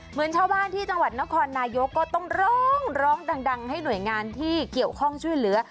เหมือนชาวบ้านที่จังหวัดนครนายกก็ต้องร้องร้องดังให้หน่วยงานที่เกี่ยวข้องช่วยเหลือ